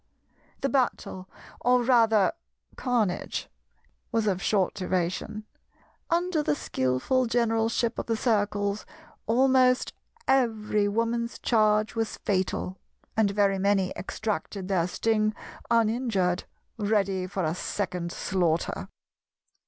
The battle, or rather carnage, was of short duration. Under the skillful generalship of the Circles almost every Woman's charge was fatal and very many extracted their sting uninjured, ready for a second slaughter.